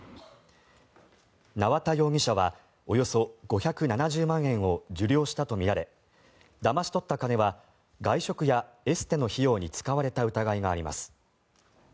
縄田容疑者はおよそ５７０万円を受領したとみられだまし取った金は外食やエステの費用に使われた疑いがあります。